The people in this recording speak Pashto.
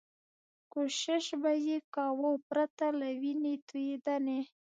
کوښښ به یې کاوه پرته له وینې توېدنې.